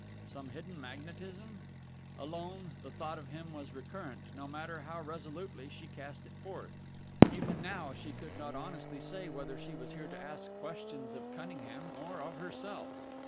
Some hidden magnetism? Alone, the thought of him was recurrent, no matter how resolutely she cast it forth. Even now she could not honestly say whether she was here to ask questions of Cunningham or of herself.